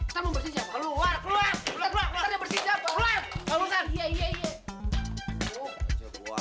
keluar keluar keluar keluar